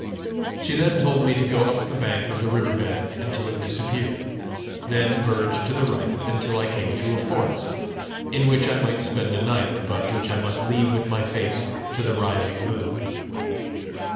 She then told me to go up the bank of the river bed until it disappeared; then verge to the right until I came to a forest in which I might spend a night, but which I must leave with my face to the rising moon.